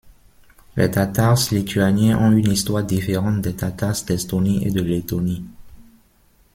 Les Tatars lituaniens ont une histoire différente des Tatars d'Estonie et de Lettonie.